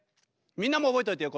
みんなも覚えといてよ